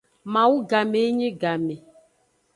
Mawu game yi nyi game.